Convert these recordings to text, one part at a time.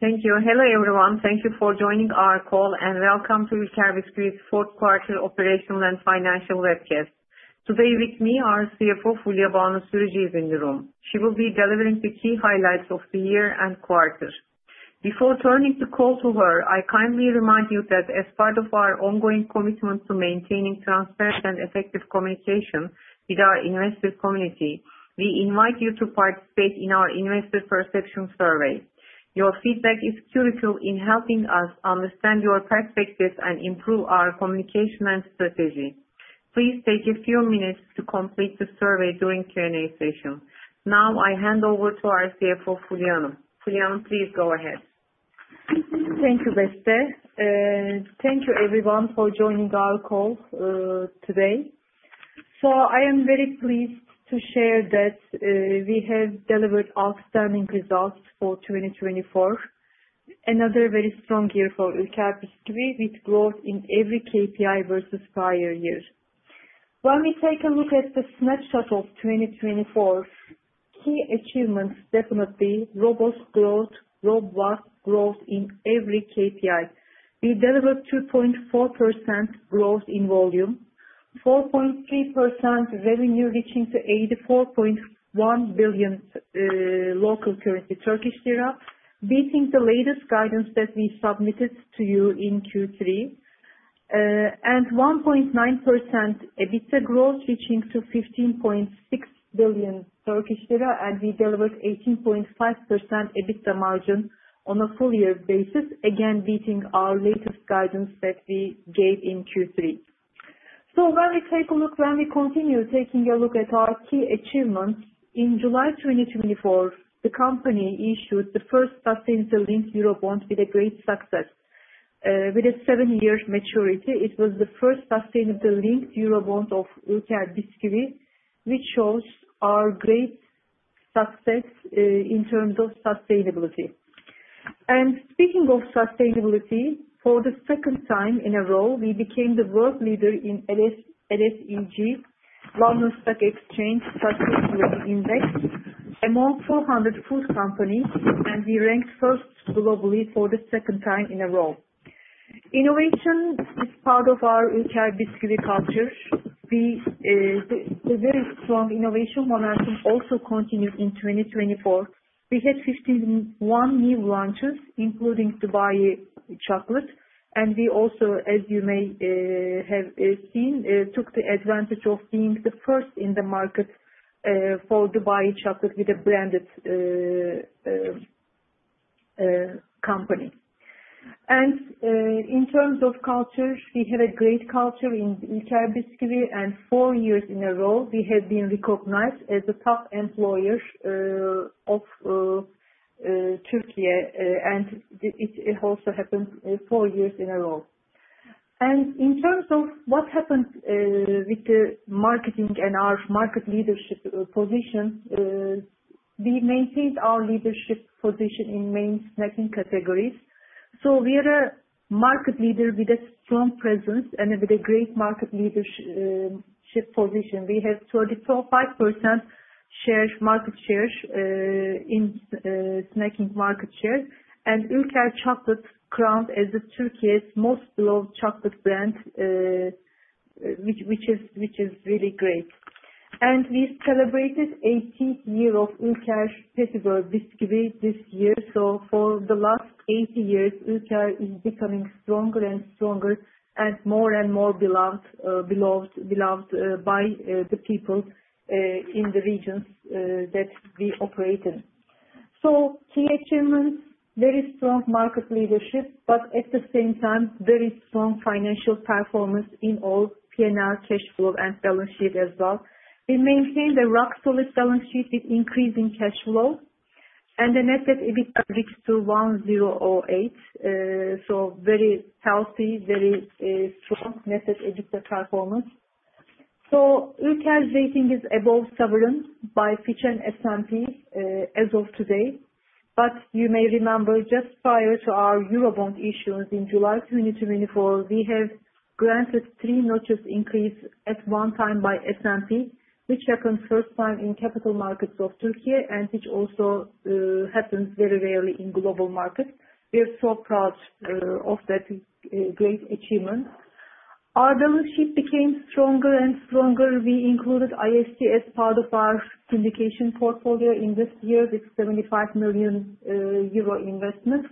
Thank you. Hello, everyone. Thank you for joining our call, and welcome to Ülker Bisküvi's Q4 operational and financial webcast. Today, with me are CFO Fulya Banu Sürücü in the room. She will be delivering the key highlights of the year and quarter. Before turning the call to her, I kindly remind you that, as part of our ongoing commitment to maintaining transparent and effective communication with our investor community, we invite you to participate in our investor perception survey. Your feedback is critical in helping us understand your perspectives and improve our communication and strategy. Please take a few minutes to complete the survey during the Q&A session. Now, I hand over to our CFO, Fulya Banu Sürücü. Fulya Banu Sürücü, please go ahead. Thank you, Beste. Thank you, everyone, for joining our call today. I am very pleased to share that we have delivered outstanding results for 2024, another very strong year for Ülker Bisküvi, with growth in every KPI versus prior years. When we take a look at the snapshot of 2024, key achievements definitely: robust growth, robust growth in every KPI. We delivered 2.4% growth in volume, 4.3% revenue reaching to 84.1 billion, beating the latest guidance that we submitted to you in Q3, and 1.9% EBITDA growth reaching to 15.6 billion Turkish lira. We delivered 18.5% EBITDA margin on a full-year basis, again beating our latest guidance that we gave in Q3. When we continue taking a look at our key achievements, in July 2024, the company issued the first sustainability bond with a great success. With a seven-year maturity, it was the first sustainability bond of Ülker Bisküvi, which shows our great success in terms of sustainability. Speaking of sustainability, for the second time in a row, we became the world leader in LSEG, London Stock Exchange Sustainability Index, among 400 food companies, and we ranked first globally for the second time in a row. Innovation is part of our Ülker Bisküvi culture. The very strong innovation momentum also continued in 2024. We had 51 new launches, including Dubai chocolate. We also, as you may have seen, took the advantage of being the first in the market for Dubai chocolate with a branded company. In terms of culture, we have a great culture in Ülker Bisküvi, and four years in a row, we have been recognized as the top employer of Türkiye, and it also happened four years in a row. In terms of what happened with the marketing and our market leadership position, we maintained our leadership position in main snacking categories. We are a market leader with a strong presence and with a great market leadership position. We have 25% market share in snacking market share, and Ulker chocolate is crowned as Türkiye's most beloved chocolate brand, which is really great. We celebrated 80 years of Ulker's festival Bisküvi this year. For the last 80 years, Ulker is becoming stronger and stronger and more and more beloved by the people in the regions that we operate in. Key achievements, very strong market leadership, but at the same time, very strong financial performance in all P&L, cash flow, and balance sheet as well. We maintained a rock-solid balance sheet with increasing cash flow, and the Net Debt/EBITDA reached to 1.08. Very healthy, very strong Net Debt/EBITDA performance. Ulker's rating is above sovereign by Fitch and S&P as of today. You may remember, just prior to our Eurobond issuance in July 2024, we have granted three notch increases at one time by S&P, which happened first time in capital markets of Türkiye, and which also happens very rarely in global markets. We are so proud of that great achievement. Our balance sheet became stronger and stronger. We included ESG as part of our syndication portfolio in this year with 75 million euro investment,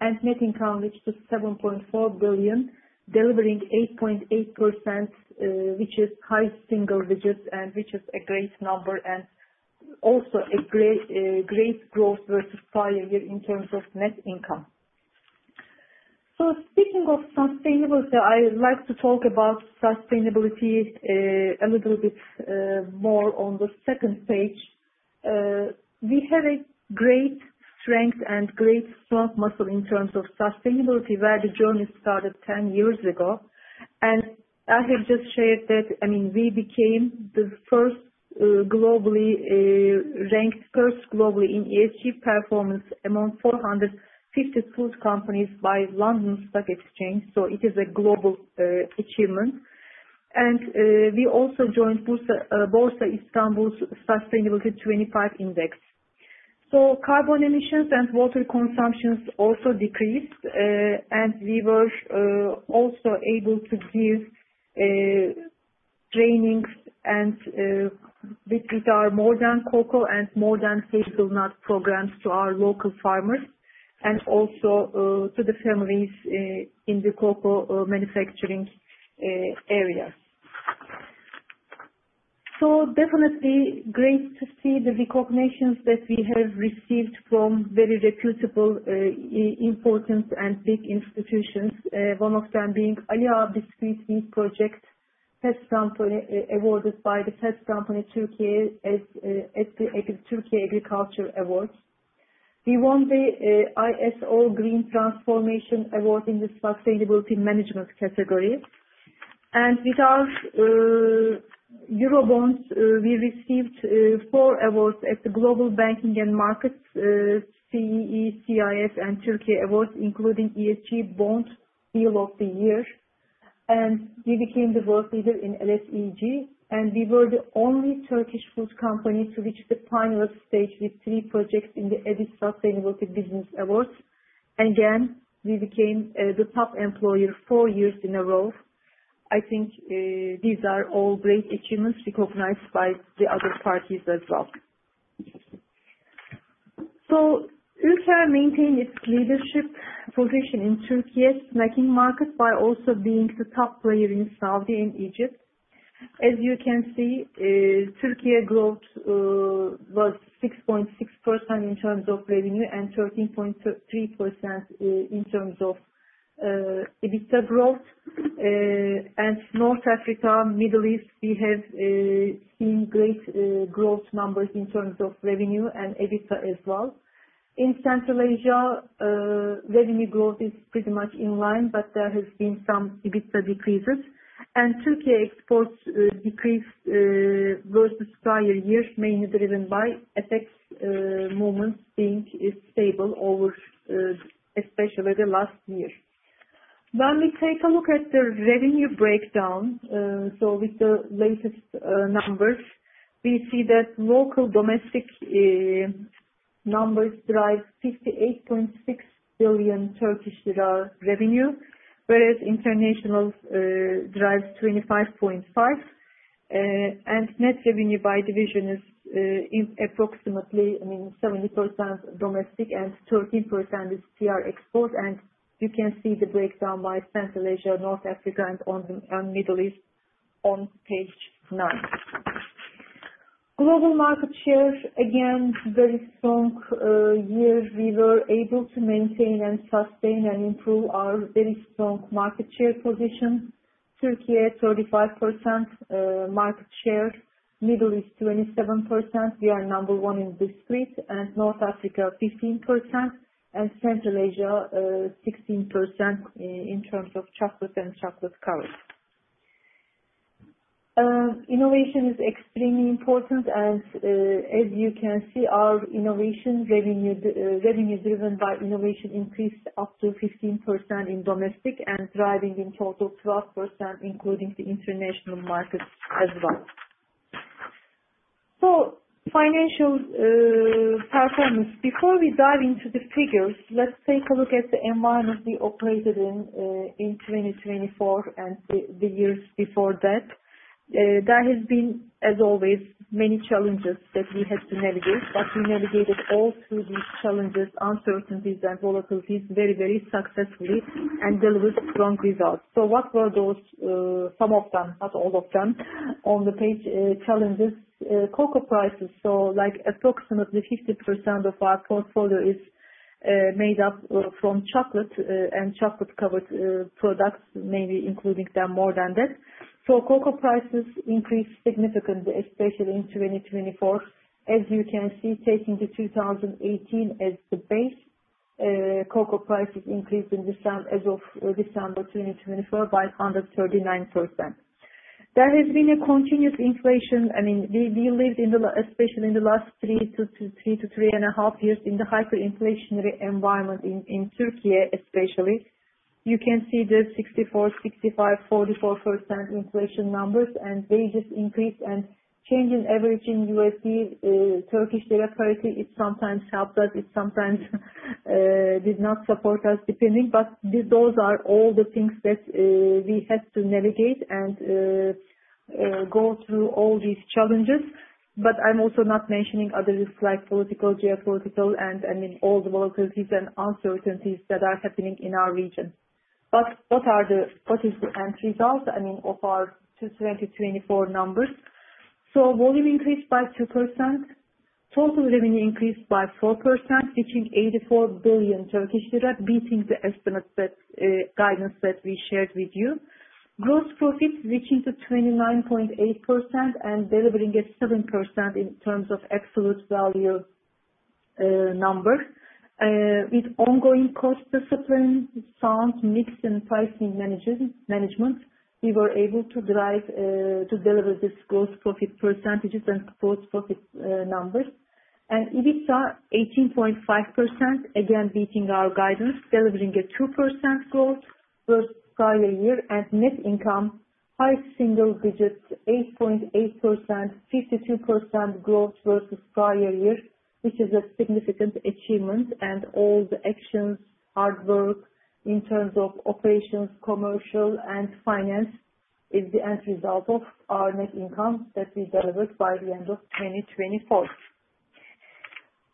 and net income reached to 7.4 billion, delivering 8.8%, which is high single digits and which is a great number and also a great growth versus prior year in terms of net income. Speaking of sustainability, I would like to talk about sustainability a little bit more on the second page. We have a great strength and great strong muscle in terms of sustainability, where the journey started 10 years ago. I have just shared that, I mean, we became the first globally ranked, first globally in ESG performance among 450 food companies by London Stock Exchange. It is a global achievement. We also joined Borsa Istanbul's Sustainability 25 Index. Carbon emissions and water consumptions also decreased, and we were also able to give trainings with our modern cocoa and modern hazelnut programs to our local farmers and also to the families in the Cocoa manufacturing area. Definitely great to see the recognitions that we have received from very reputable, important, and big institutions, one of them being Ülker Bisküvi's project, Fast Company awarded by the Fast Company Türkiye at the Türkiye Agriculture Awards. We won the ISO Green Transformation Award in the sustainability management category. With our Eurobonds, we received four awards at the Global Banking and Markets CEE, CIS, and Türkiye Awards, including ESG Bond Deal of the Year. We became the world leader in LSEG, and we were the only Turkish food company to reach the final stage with three projects in the EBIT Sustainable Business Awards. We became the top employer four years in a row. I think these are all great achievements recognized by the other parties as well. Ulker maintained its leadership position in Türkiye's snacking market by also being the top player in Saudi Arabia and Egypt. As you can see, Türkiye growth was 6.6% in terms of revenue and 13.3% in terms of EBITDA growth. In North Africa and the Middle East, we have seen great growth numbers in terms of revenue and EBITDA as well. In Central Asia, revenue growth is pretty much in line, but there have been some EBITDA decreases. Türkiye exports decreased versus prior year, mainly driven by FX movements being stable over, especially the last year. When we take a look at the revenue breakdown, with the latest numbers, we see that local domestic numbers drive 58.6 billion Turkish lira revenue, whereas international drives 25.5 billion. Net revenue by division is approximately, I mean, 70% domestic and 13% is PR export. You can see the breakdown by Central Asia, North Africa, and Middle East on page nine. Global market share, again, very strong year. We were able to maintain and sustain and improve our very strong market share position. Türkiye, 35% market share. Middle East, 27%. We are number one in biscuits, and North Africa, 15%, and Central Asia, 16% in terms of chocolate and chocolate category. Innovation is extremely important, and as you can see, our innovation revenue driven by innovation increased up to 15% in domestic and driving in total 12%, including the international market as well. Financial performance. Before we dive into the figures, let's take a look at the environment we operated in in 2024 and the years before that. There have been, as always, many challenges that we had to navigate, but we navigated all through these challenges, uncertainties, and volatilities very, very successfully and delivered strong results. What were those? Some of them, not all of them, on the page challenges? Cocoa prices. Approximately 50% of our portfolio is made up from chocolate and chocolate-covered products, maybe including them more than that. Cocoa prices increased significantly, especially in 2024. As you can see, taking 2018 as the base, Cocoa prices increased in December as of December 2024 by under 39%. There has been a continuous inflation. I mean, we lived in the, especially in the last three to three and a half years in the hyperinflationary environment in Türkiye, especially. You can see the 64%, 65%, 44% inflation numbers, and they just increased. Changing average in USD, Turkish Lira parity sometimes helped us. It sometimes did not support us, depending. Those are all the things that we had to navigate and go through all these challenges. I am also not mentioning others like political, geopolitical, and I mean, all the volatilities and uncertainties that are happening in our region. What is the end result, I mean, of our 2024 numbers? Volume increased by 2%. Total revenue increased by 4%, reaching 84 billion Turkish lira, beating the estimate guidance that we shared with you. Gross profit reaching to 29.8% and delivering at 7% in terms of absolute value number. With ongoing cost discipline, sound, mix, and pricing management, we were able to deliver these gross profit percentages and gross profit numbers. EBITDA, 18.5%, again beating our guidance, delivering a 2% growth versus prior year. Net income, high single digit, 8.8%, 52% growth versus prior year, which is a significant achievement. All the actions, hard work in terms of operations, commercial, and finance is the end result of our net income that we delivered by the end of 2024.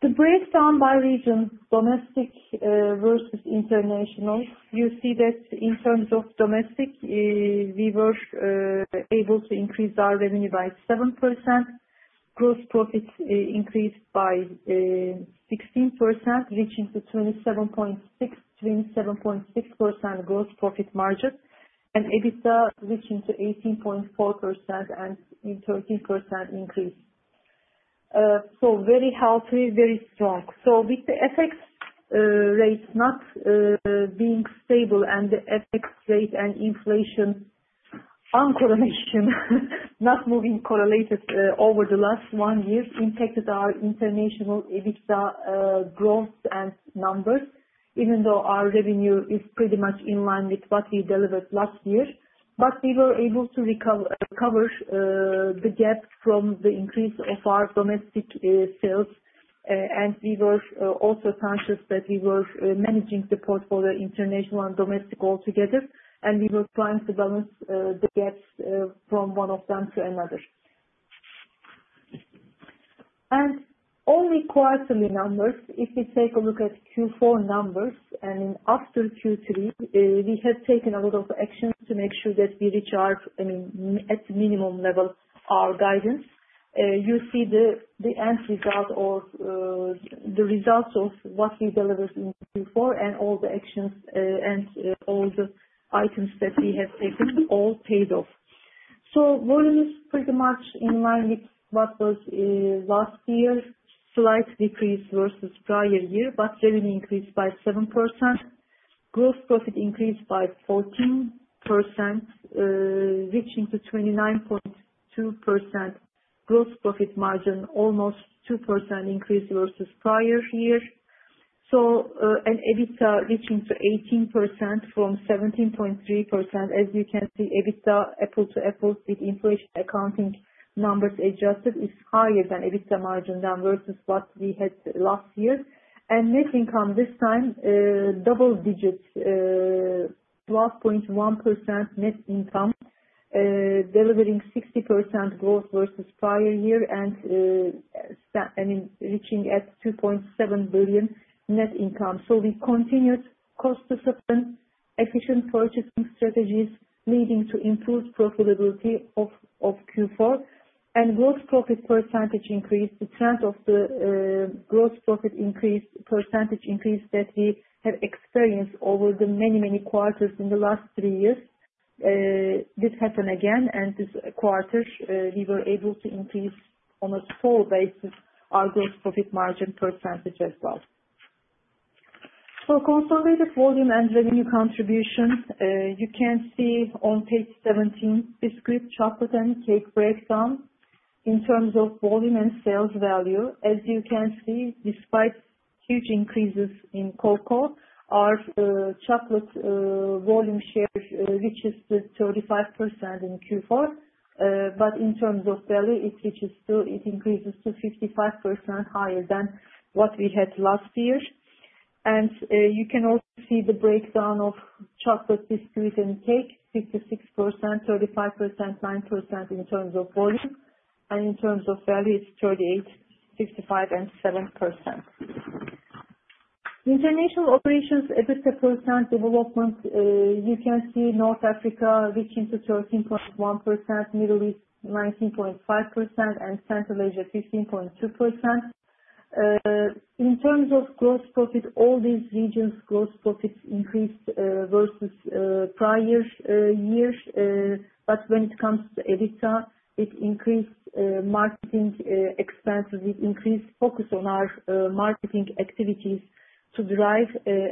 The breakdown by region, domestic versus international, you see that in terms of domestic, we were able to increase our revenue by 7%. Gross profit increased by 16%, reaching to 27.6%, 27.6% gross profit margin. EBITDA reaching to 18.4% and 13% increase. Very healthy, very strong. With the FX rates not being stable and the FX rate and inflation uncorrelation, not moving correlated over the last one year, impacted our international EBITDA growth and numbers, even though our revenue is pretty much in line with what we delivered last year. We were able to cover the gap from the increase of our domestic sales. We were also conscious that we were managing the portfolio, international and domestic altogether, and we were trying to balance the gaps from one of them to another. Only quarterly numbers, if we take a look at Q4 numbers, and after Q3, we have taken a lot of actions to make sure that we reach our, I mean, at minimum level, our guidance. You see the end result or the results of what we delivered in Q4 and all the actions and all the items that we have taken, all paid off. Volume is pretty much in line with what was last year, slight decrease versus prior year, but revenue increased by 7%. Gross profit increased by 14%, reaching to 29.2%. Gross profit margin almost 2% increased versus prior year. EBITDA reaching to 18% from 17.3%. As you can see, EBITDA apple to apple with inflation accounting numbers adjusted is higher than EBITDA margin than versus what we had last year. Net income this time, double digits, 12.1% net income, delivering 60% growth versus prior year and, I mean, reaching at 2.7 billion net income. We continued cost discipline, efficient purchasing strategies leading to improved profitability of Q4. Gross profit percentage increase, the trend of the gross profit increase percentage increase that we have experienced over the many, many quarters in the last three years. This happened again, and this quarter, we were able to increase on a small basis our gross profit margin percentage as well. Consolidated volume and revenue contribution, you can see on page 17, Bisküvi Chocolate and Cake breakdown in terms of volume and sales value. As you can see, despite huge increases in Cocoa, our chocolate volume share reaches to 35% in Q4. In terms of value, it increases to 55% higher than what we had last year. You can also see the breakdown of chocolate, biscuit, and cake, 56%, 35%, 9% in terms of volume. In terms of value, it's 38%, 65%, and 7%. International operations, EBITDA % development, you can see North Africa reaching to 13.1%, Middle East 19.5%, and Central Asia 15.2%. In terms of gross profit, all these regions' gross profits increased versus prior years. When it comes to EBITDA, it increased marketing expenses. We increased focus on our marketing activities to drive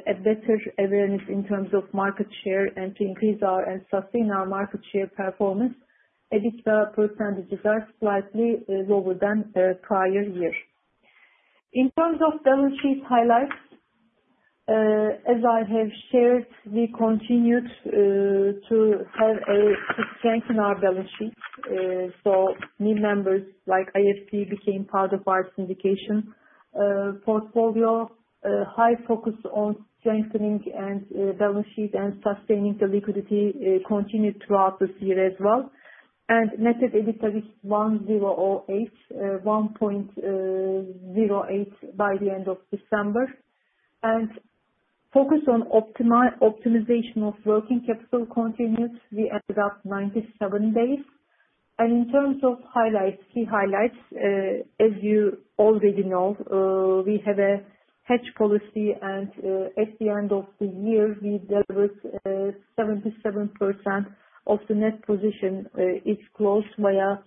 a better awareness in terms of market share and to increase our and sustain our market share performance. EBITDA percentages are slightly lower than prior year. In terms of balance sheet highlights, as I have shared, we continued to strengthen our balance sheet. New members like IFC became part of our syndication portfolio. High focus on strengthening and balance sheet and sustaining the liquidity continued throughout this year as well. Net EBITDA is 1.08 by the end of December. Focus on optimization of working capital continued. We ended up 97 days. In terms of highlights, key highlights, as you already know, we have a hedge policy, and at the end of the year, we delivered 77% of the net position is closed via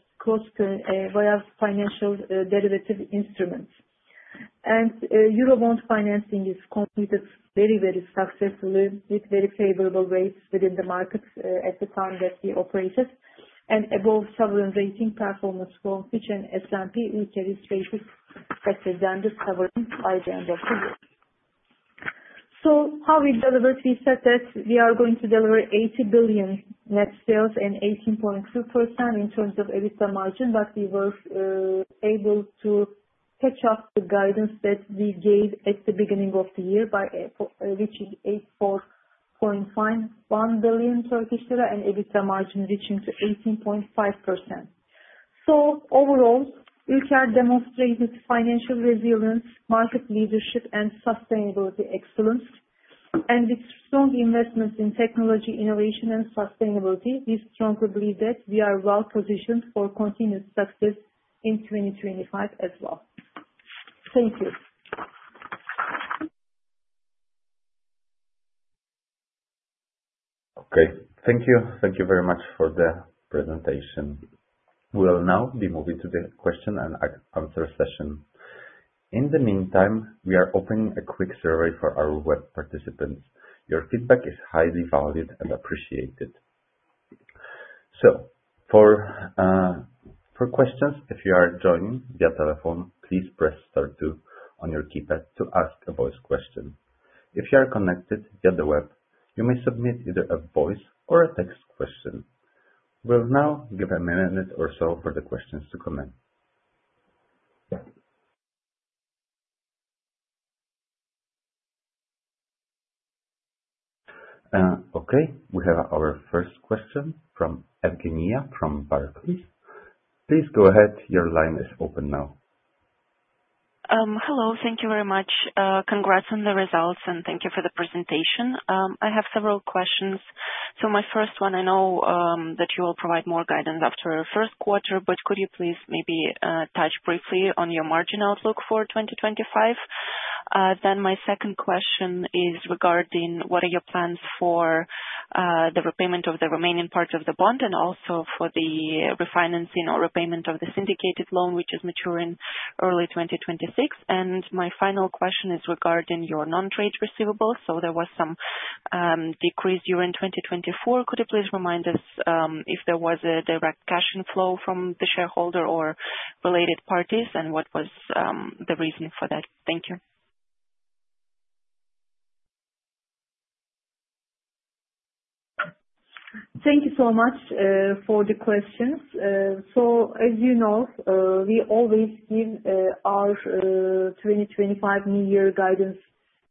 financial derivative instruments. Eurobond financing is completed very, very successfully with very favorable rates within the market at the time that we operated. Above sovereign rating performance from which an S&P Ulker is rated better than the sovereign by the end of the year. How we delivered? We said that we are going to deliver 80 billion net sales and 18.2% in terms of EBITDA margin, but we were able to catch up the guidance that we gave at the beginning of the year by reaching 84.1 billion Turkish lira and EBITDA margin reaching to 18.5%. Overall, Ulker demonstrated financial resilience, market leadership, and sustainability excellence. With strong investments in technology, innovation, and sustainability, we strongly believe that we are well positioned for continued success in 2025 as well. Thank you. Okay. Thank you. Thank you very much for the presentation. We will now be moving to the question and answer session. In the meantime, we are opening a quick survey for our web participants. Your feedback is highly valued and appreciated. For questions, if you are joining via telephone, please press star two on your keypad to ask a voice question. If you are connected via the web, you may submit either a voice or a text question. We'll now give a minute or so for the questions to come in. Okay. We have our first question from Evgeniya from Barclays. Please go ahead. Your line is open now. Hello. Thank you very much. Congrats on the results, and thank you for the presentation. I have several questions. My first one, I know that you will provide more guidance after Q1, but could you please maybe touch briefly on your margin outlook for 2025? My second question is regarding what are your plans for the repayment of the remaining part of the bond and also for the refinancing or repayment of the syndicated loan, which is maturing early 2026? My final question is regarding your non-trade receivables. There was some decrease during 2024. Could you please remind us if there was a direct cash inflow from the shareholder or related parties, and what was the reason for that? Thank you. Thank you so much for the questions. As you know, we always give our 2025 New Year guidance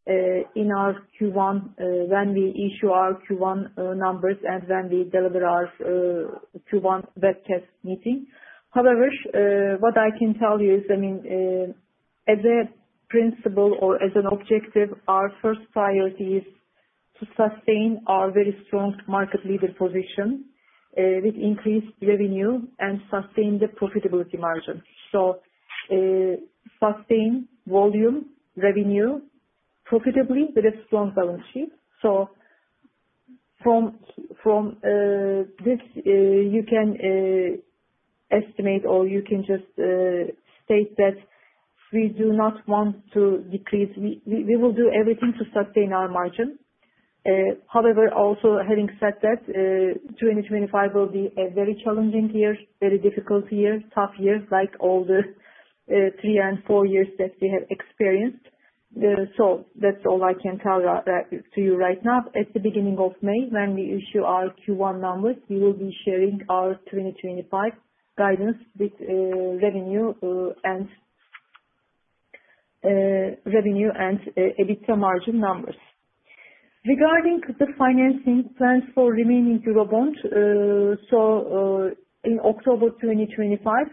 in our Q1 when we issue our Q1 numbers and when we deliver our Q1 webcast meeting. However, what I can tell you is, I mean, as a principle or as an objective, our first priority is to sustain our very strong market leader position with increased revenue and sustain the profitability margin. So sustain volume, revenue profitably with a strong balance sheet. From this, you can estimate or you can just state that we do not want to decrease. We will do everything to sustain our margin. However, also having said that, 2025 will be a very challenging year, very difficult year, tough year like all the three and four years that we have experienced. That is all I can tell you right now. At the beginning of May, when we issue our Q1 numbers, we will be sharing our 2025 guidance with revenue and EBITDA margin numbers. Regarding the financing plans for remaining Eurobond, in October 2025,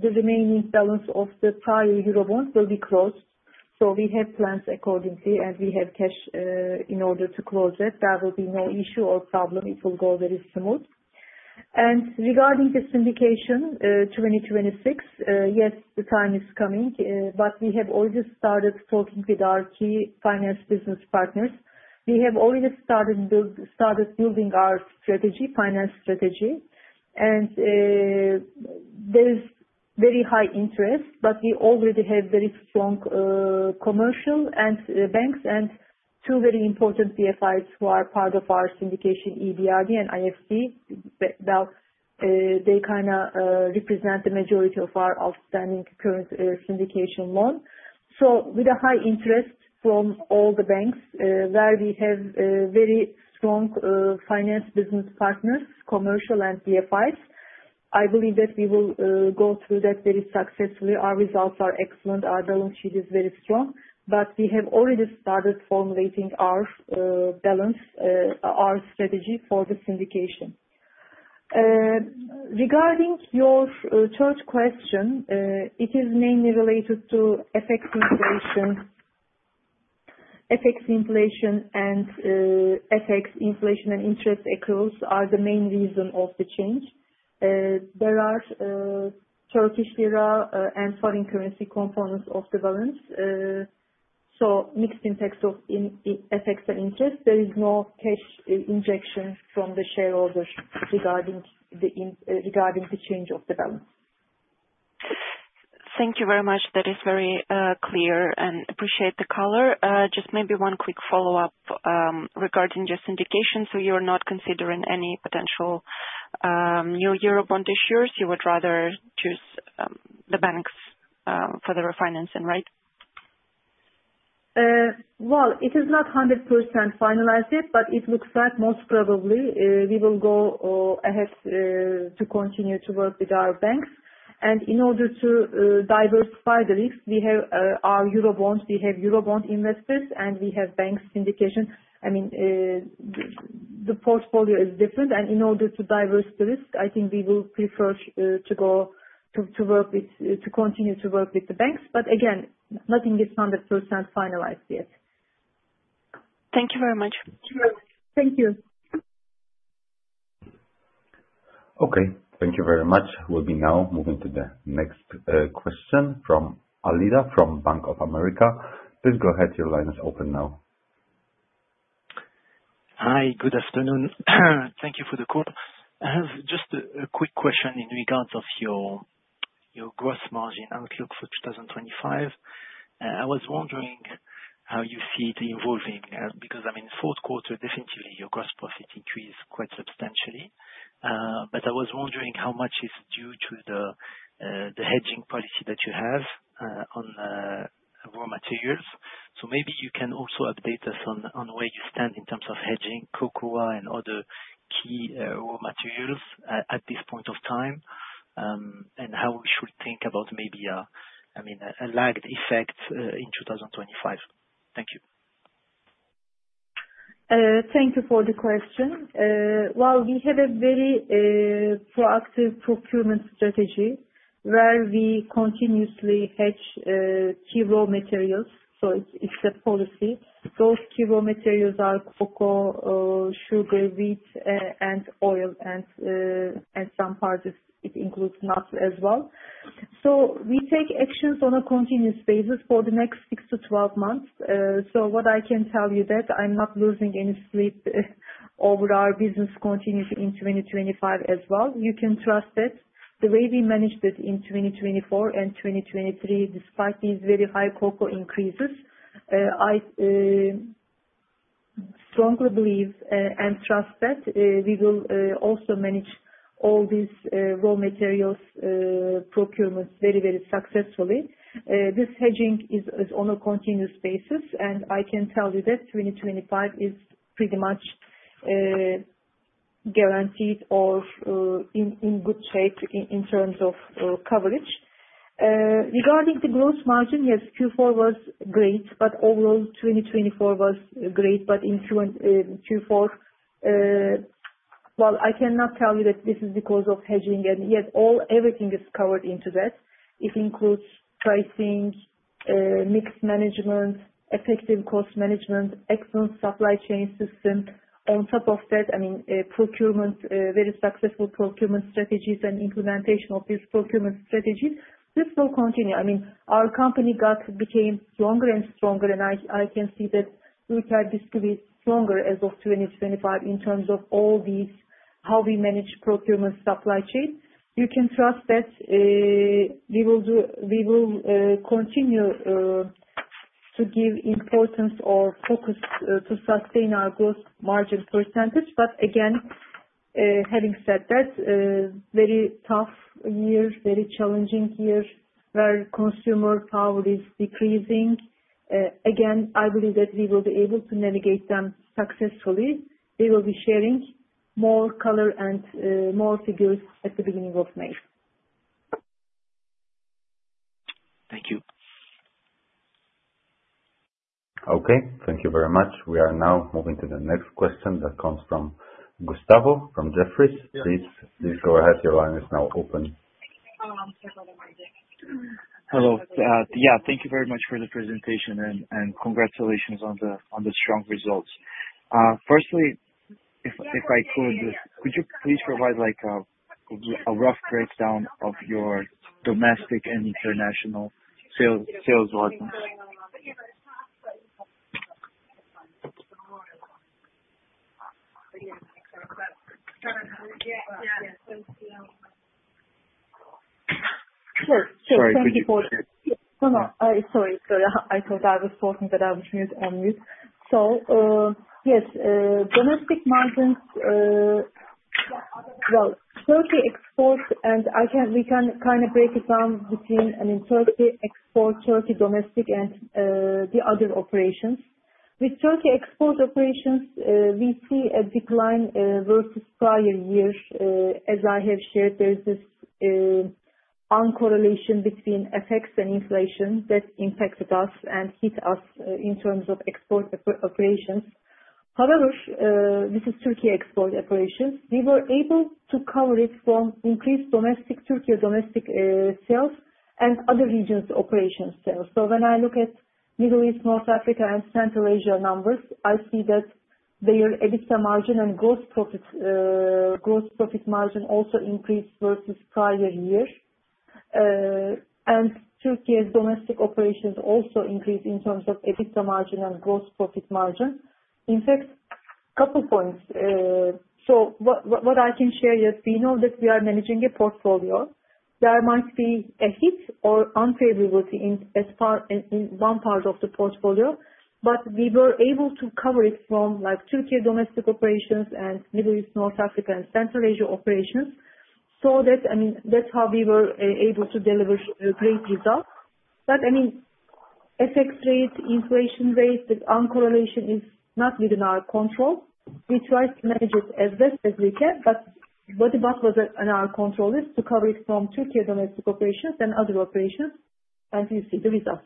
the remaining balance of the prior Eurobond will be closed. We have plans accordingly, and we have cash in order to close it. There will be no issue or problem. It will go very smooth. Regarding the syndication 2026, yes, the time is coming, but we have already started talking with our key finance business partners. We have already started building our strategy, finance strategy. There is very high interest, but we already have very strong commercial and banks and two very important DFIs who are part of our syndication, EBRD and IFC. They kind of represent the majority of our outstanding current syndication loan. With a high interest from all the banks where we have very strong finance business partners, commercial and DFIs, I believe that we will go through that very successfully. Our results are excellent. Our balance sheet is very strong. We have already started formulating our strategy for the syndication. Regarding your third question, it is mainly related to FX inflation and FX inflation and interest accruals are the main reason of the change. There are Turkish Lira and foreign currency components of the balance. Mixed impacts of FX and interest. There is no cash injection from the shareholders regarding the change of the balance. Thank you very much. That is very clear and appreciate the color. Just maybe one quick follow-up regarding your syndication. You are not considering any potential new Eurobond issuers. You would rather choose the banks for the refinancing, right? It is not 100% finalized, but it looks like most probably we will go ahead to continue to work with our banks. In order to diversify the risks, we have our Eurobond. We have Eurobond investors, and we have bank syndication. I mean, the portfolio is different. In order to diversify the risk, I think we will prefer to go to work with, to continue to work with the banks. Again, nothing is 100% finalized yet. Thank you very much. Thank you. Okay. Thank you very much. We'll be now moving to the next question from Alvira from Bank of America. Please go ahead. Your line is open now. Hi. Good afternoon. Thank you for the call. I have just a quick question in regards of your gross margin outlook for 2025. I was wondering how you see it evolving because, I mean, Q4, definitely your gross profit increased quite substantially. I was wondering how much is due to the hedging policy that you have on raw materials. Maybe you can also update us on where you stand in terms of hedging Cocoa and other key raw materials at this point of time and how we should think about, maybe, I mean, a lagged effect in 2025? Thank you. Thank you for the question. We have a very proactive procurement strategy where we continuously hedge key raw materials. It is a policy. Those key raw materials are Cocoa, sugar, wheat, and oil, and in some parts it includes nuts as well. We take actions on a continuous basis for the next 6-12 months. What I can tell you is that I'm not losing any sleep over our business continuity in 2025 as well. You can trust that the way we managed it in 2024 and 2023, despite these very high Cocoa increases, I strongly believe and trust that we will also manage all these raw materials procurements very, very successfully. This hedging is on a continuous basis, and I can tell you that 2025 is pretty much guaranteed or in good shape in terms of coverage. Regarding the gross margin, yes, Q4 was great, overall 2024 was great. In Q4, I cannot tell you that this is because of hedging, and yet everything is covered into that. It includes pricing, mixed management, effective cost management, excellent supply chain system. On top of that, I mean, very successful procurement strategies and implementation of these procurement strategies. This will continue. I mean, our company became stronger and stronger, and I can see that Ülker Bisküvi is stronger as of 2025 in terms of all these, how we manage procurement supply chain. You can trust that we will continue to give importance or focus to sustain our gross margin %. Again, having said that, very tough year, very challenging year where consumer power is decreasing. Again, I believe that we will be able to navigate them successfully. We will be sharing more color and more figures at the beginning of May. Thank you. Okay. Thank you very much. We are now moving to the next question that comes from Gustavo from Jefferies. Please go ahead. Your line is now open. Hello. Yeah. Thank you very much for the presentation, and congratulations on the strong results. Firstly, if I could, could you please provide a rough breakdown of your domestic and international sales logs? Sorry. Thank you for—no. Sorry. Sorry. I thought I was talking that I was muted on mute. Yes, domestic margins, Turkey exports, and we can kind of break it down between, I mean, Turkey exports, Turkey domestic, and the other operations. With Turkey export operations, we see a decline versus prior years. As I have shared, there is this uncorrelation between FX and inflation that impacted us and hit us in terms of export operations. However, this is Turkey export operations. We were able to cover it from increased domestic Turkey domestic sales and other regions' operation sales. When I look at Middle East, North Africa, and Central Asia numbers, I see that their EBITDA margin and gross profit margin also increased versus prior year. Turkey's domestic operations also increased in terms of EBITDA margin and gross profit margin. In fact, a couple of points. What I can share is we know that we are managing a portfolio. There might be a hit or unfavorability in one part of the portfolio, but we were able to cover it from Turkey domestic operations and Middle East, North Africa, and Central Asia operations. That is how we were able to deliver great results. I mean, FX rate, inflation rate, the uncorrelation is not within our control. We tried to manage it as best as we can, but what was in our control is to cover it from Turkey domestic operations and other operations, and you see the results.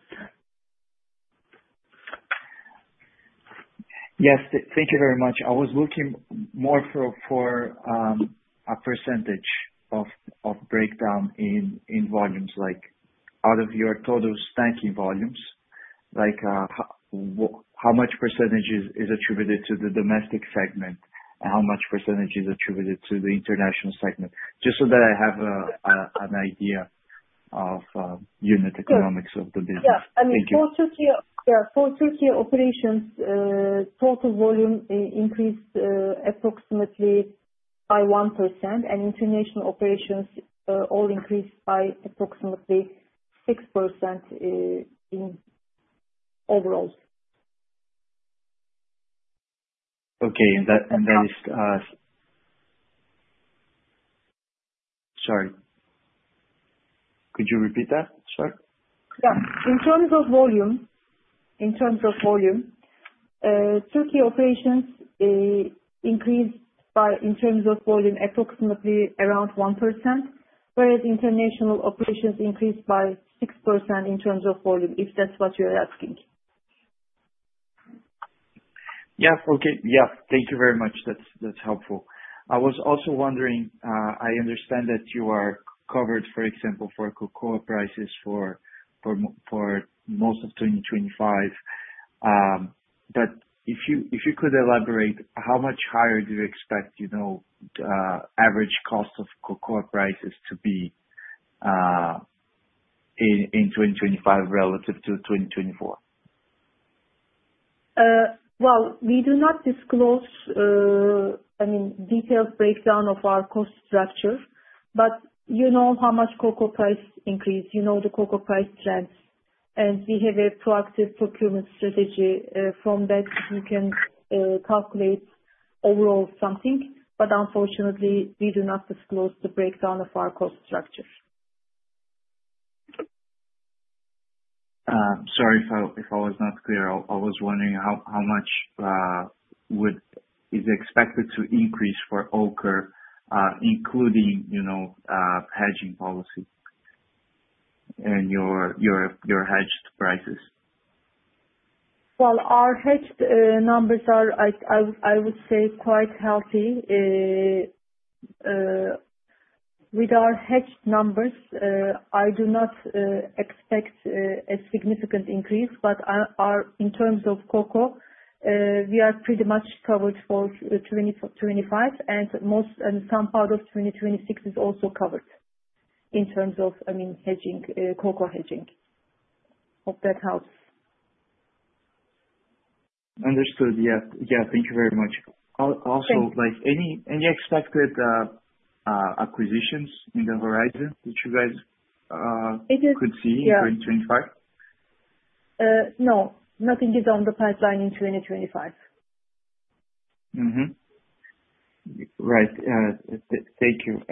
Yes. Thank you very much. I was looking more for a percentage of breakdown in volumes, like out of your total stacking volumes, like how much percentage is attributed to the domestic segment and how much percentage is attributed to the international segment, just so that I have an idea of unit economics of the business. Yeah. I mean, for Turkey operations, total volume increased approximately by 1%, and international operations all increased by approximately 6% overall. Okay. That is, sorry. Could you repeat that, sir? Yeah. In terms of volume, in terms of volume, Turkey operations increased in terms of volume approximately around 1%, whereas international operations increased by 6% in terms of volume, if that's what you're asking. Yes. Okay. Yeah. Thank you very much. That's helpful. I was also wondering, I understand that you are covered, for example, for Cocoa prices for most of 2025. If you could elaborate, how much higher do you expect average cost of Cocoa prices to be in 2025 relative to 2024? We do not disclose, I mean, detailed breakdown of our cost structure, but you know how much Cocoa price increase. You know the Cocoa price trends, and we have a proactive procurement strategy from that. You can calculate overall something, but unfortunately, we do not disclose the breakdown of our cost structure. Sorry if I was not clear. I was wondering how much is expected to increase for Ulker, including hedging policy and your hedged prices. Our hedged numbers are, I would say, quite healthy. With our hedged numbers, I do not expect a significant increase, but in terms of Cocoa, we are pretty much covered for 2025, and some part of 2026 is also covered in terms of, I mean, Cocoa hedging. Hope that helps. Understood. Yes. Yeah. Thank you very much. Also, any expected acquisitions in the horizon that you guys could see in 2025? No. Nothing is on the pipeline in 2025. Right. Thank you.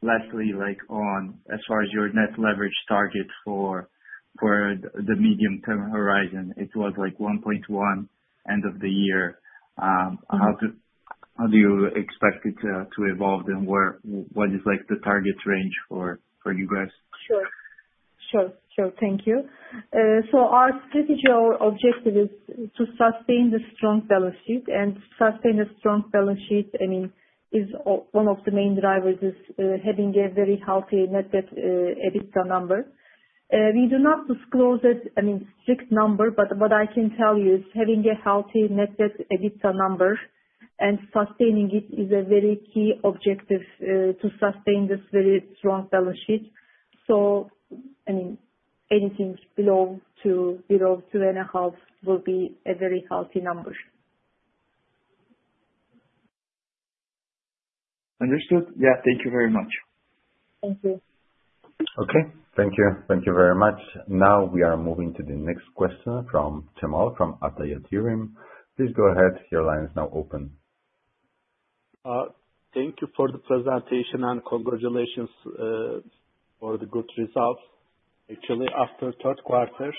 Lastly, as far as your net leverage target for the medium-term horizon, it was like 1.1 end of the year. How do you expect it to evolve, and what is the target range for you guys? Sure. Sure. Sure. Thank you. Our strategy, our objective is to sustain the strong balance sheet, and to sustain the strong balance sheet, I mean, one of the main drivers is having a very healthy net debt EBITDA number. We do not disclose it, I mean, strict number, but what I can tell you is having a healthy net debt EBITDA number and sustaining it is a very key objective to sustain this very strong balance sheet. I mean, anything below 2 and a half will be a very healthy number. Understood. Yeah. Thank you very much. Thank you. Okay. Thank you. Thank you very much. Now we are moving to the next question from Cemal from Ata Yatirim. Please go ahead. Your line is now open. Thank you for the presentation and congratulations for the good results. Actually, after Q3,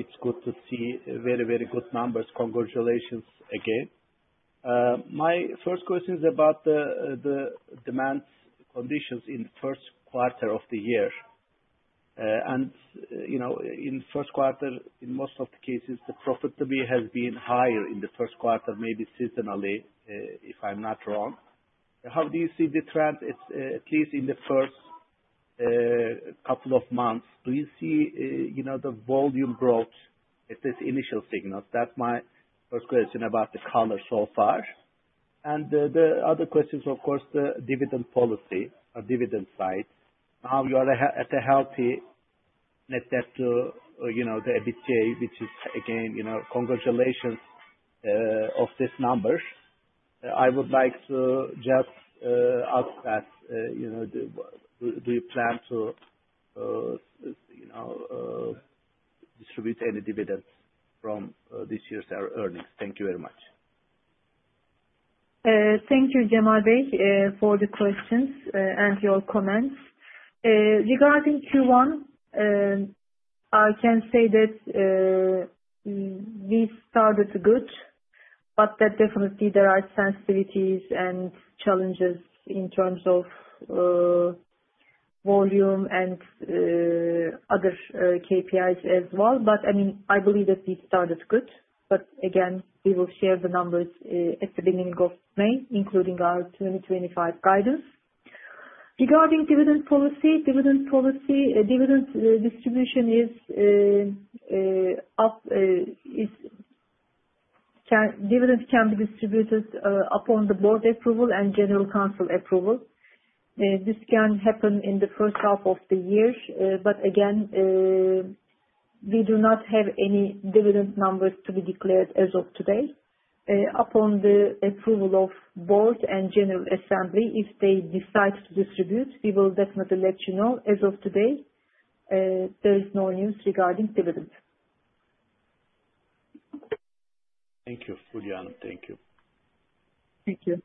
it's good to see very, very good numbers. Congratulations again. My first question is about the demand conditions in the Q1 of the year. In the Q1, in most of the cases, the profitability has been higher in the Q1, maybe seasonally, if I'm not wrong. How do you see the trend, at least in the first couple of months? Do you see the volume growth at this initial signal? That's my first question about the color so far. The other question is, of course, the dividend policy, dividend side. Now you are at a healthy net debt to EBITDA, which is, again, congratulations of this number. I would like to just ask that, do you plan to distribute any dividends from this year's earnings? Thank you very much. Thank you, Cemal, for the questions and your comments. Regarding Q1, I can say that we started good, but there definitely are sensitivities and challenges in terms of volume and other KPIs as well. I mean, I believe that we started good. Again, we will share the numbers at the beginning of May, including our 2025 guidance. Regarding dividend policy, dividend distribution is dividends can be distributed upon the board approval and general council approval. This can happen in the first half of the year. Again, we do not have any dividend numbers to be declared as of today. Upon the approval of board and general assembly, if they decide to distribute, we will definitely let you know. As of today, there is no news regarding dividends. Thank you, Fulya. Thank you. Thank you.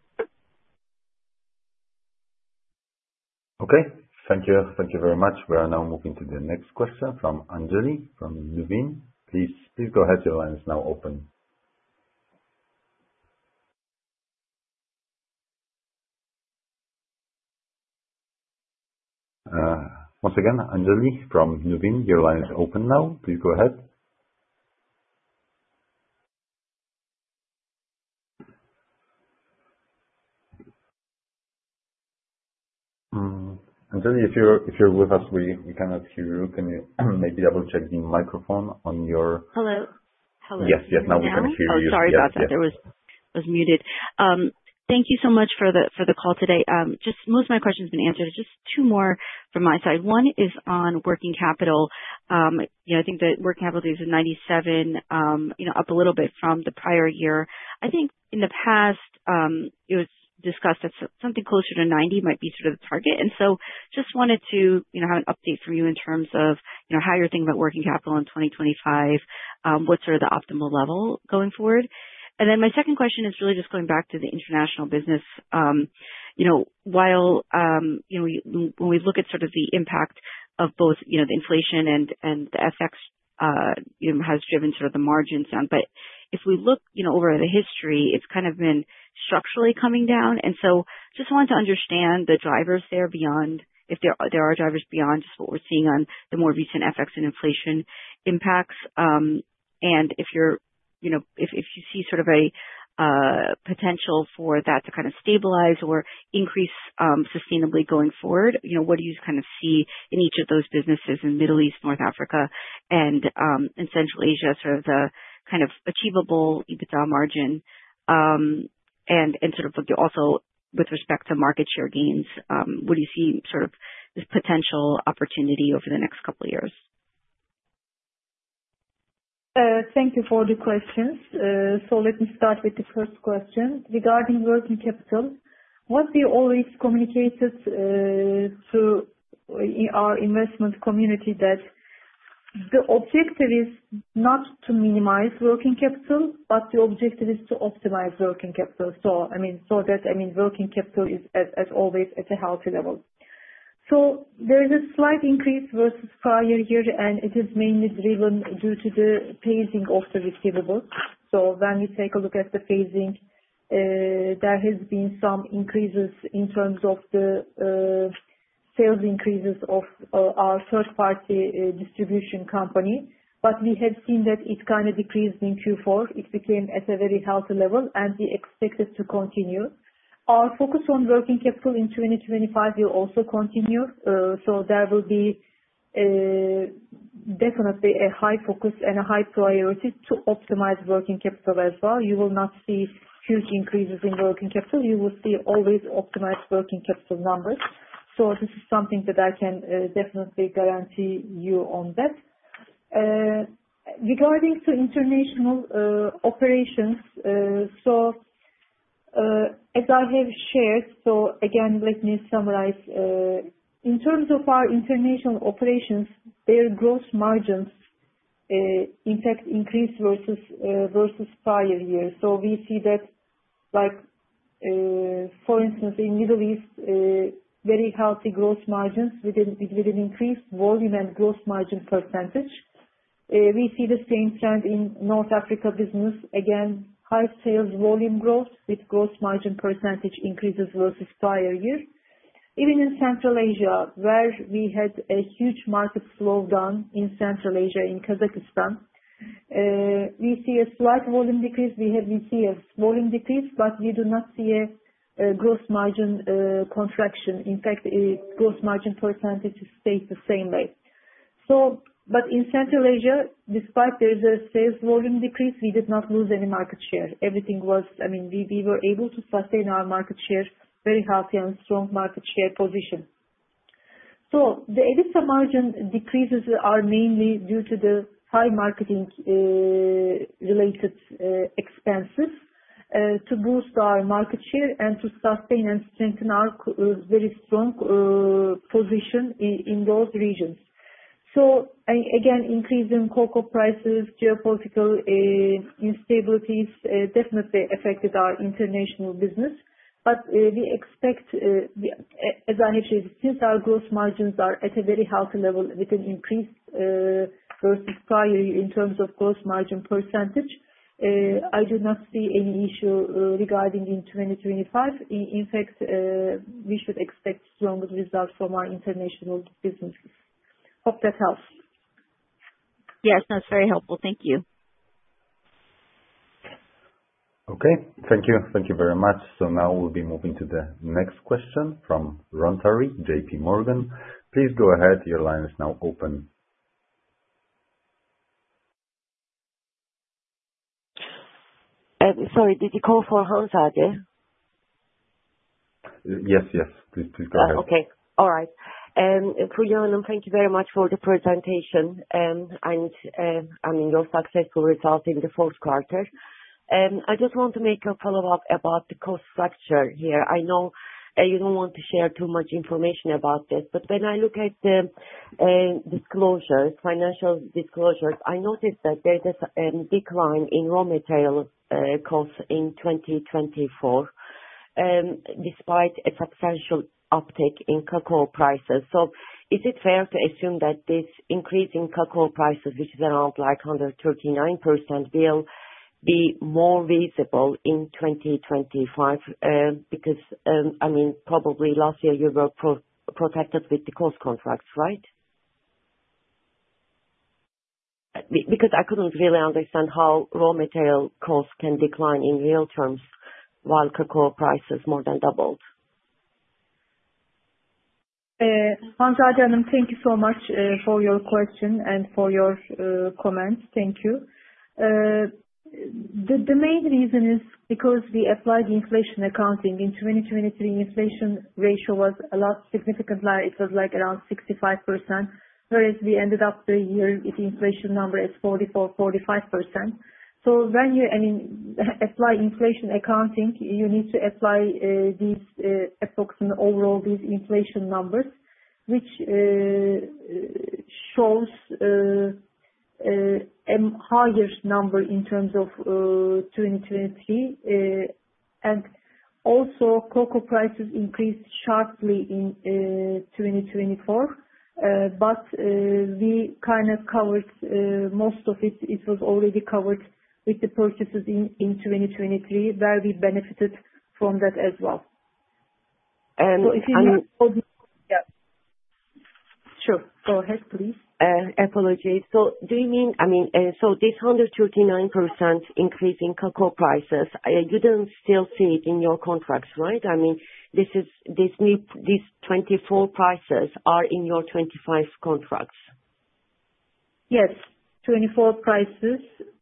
Okay. Thank you. Thank you very much. We are now moving to the next question from Anjali from Nuveen. Please go ahead. Your line is now open. Once again, Anjali from Nuveen, your line is open now. Please go ahead. Anjali, if you're with us, we cannot hear you. Can you maybe double-check the microphone on your—Hello? Hello. Yes. Yes. Now we can hear you. Sorry about that. I was muted. Thank you so much for the call today. Most of my questions have been answered. Just two more from my side. One is on working capital. I think that working capital is at 97, up a little bit from the prior year. I think in the past, it was discussed that something closer to 90 might be sort of the target. Just wanted to have an update from you in terms of how you're thinking about working capital in 2025, what's sort of the optimal level going forward. My second question is really just going back to the international business. While when we look at sort of the impact of both the inflation and the FX has driven sort of the margins down, but if we look over the history, it's kind of been structurally coming down. I just wanted to understand the drivers there beyond if there are drivers beyond just what we're seeing on the more recent FX and inflation impacts. If you see sort of a potential for that to kind of stabilize or increase sustainably going forward, what do you kind of see in each of those businesses in Middle East, North Africa, and Central Asia, sort of the kind of achievable EBITDA margin? Also with respect to market share gains, what do you see sort of this potential opportunity over the next couple of years? Thank you for the questions. Let me start with the first question. Regarding working capital, what we always communicated to our investment community is that the objective is not to minimize working capital, but the objective is to optimize working capital. I mean, working capital is, as always, at a healthy level. There is a slight increase versus prior year, and it is mainly driven due to the phasing of the receivable. When we take a look at the phasing, there have been some increases in terms of the sales increases of our third-party distribution company. We have seen that it kind of decreased in Q4. It became at a very healthy level, and we expect it to continue. Our focus on working capital in 2025 will also continue. There will be definitely a high focus and a high priority to optimize working capital as well. You will not see huge increases in working capital. You will see always optimized working capital numbers. This is something that I can definitely guarantee you on that. Regarding international operations, as I have shared, again, let me summarize. In terms of our international operations, their gross margins in fact increased versus prior year. We see that, for instance, in Middle East, very healthy gross margins with an increased volume and gross margin percentage. We see the same trend in North Africa business. Again, high sales volume growth with gross margin percentage increases versus prior year. Even in Central Asia, where we had a huge market slowdown in Central Asia, in Kazakhstan, we see a slight volume decrease. We see a volume decrease, but we do not see a gross margin contraction. In fact, gross margin percentage stays the same way. In Central Asia, despite the sales volume decrease, we did not lose any market share. Everything was, I mean, we were able to sustain our market share, very healthy and strong market share position. The EBITDA margin decreases are mainly due to the high marketing-related expenses to boost our market share and to sustain and strengthen our very strong position in those regions. Again, increase in Cocoa prices, geopolitical instabilities definitely affected our international business. We expect, as I have shared, since our gross margins are at a very healthy level with an increase versus prior year in terms of gross margin percentage, I do not see any issue regarding in 2025. In fact, we should expect stronger results from our international businesses. Hope that helps. Yes. That's very helpful. Thank you. Okay. Thank you. Thank you very much. Now we'll be moving to the next question from Rontary, JPMorgan. Please go ahead. Your line is now open. Sorry. Did you call for Hanzade are they? Yes. Yes. Please go ahead. Okay. All right. For your name, thank you very much for the presentation. I mean, your successful result in the Q4. I just want to make a follow-up about the cost structure here. I know you don't want to share too much information about this, but when I look at the disclosures, financial disclosures, I noticed that there is a decline in raw material costs in 2024 despite a substantial uptick in Cocoa prices. Is it fair to assume that this increase in Cocoa prices, which is around like 139%, will be more visible in 2025? Because, I mean, probably last year you were protected with the cost contracts, right? Because I couldn't really understand how raw material costs can decline in real terms while Cocoa prices more than doubled. Hanzade, thank you so much for your question and for your comments. Thank you. The main reason is because we applied inflation accounting. In 2023, inflation ratio was a lot significantly higher. It was like around 65%. Whereas we ended up the year with inflation number at 44% to 45%. When you, I mean, apply inflation accounting, you need to apply these approximate overall these inflation numbers, which shows a higher number in terms of 2023. Also, Cocoa prices increased sharply in 2024, but we kind of covered most of it. It was already covered with the purchases in 2023, where we benefited from that as well. If you need—Yes. Sure. Go ahead, please. Apologies. Do you mean, I mean, this 139% increase in Cocoa prices, you do not still see it in your contracts, right? I mean, these 2024 prices are in your 2025 contracts? Yes. 2024 prices